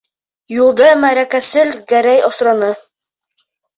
Юлда мәрәкәсел Гәрәй осраны.